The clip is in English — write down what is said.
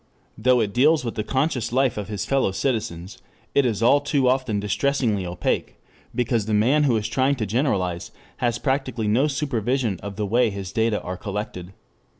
Though it deals with the conscious life of his fellow citizens, it is all too often distressingly opaque, because the man who is trying to generalize has practically no supervision of the way his data are collected.